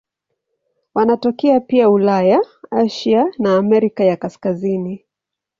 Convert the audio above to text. Wanatokea pia Ulaya, Asia na Amerika ya Kaskazini.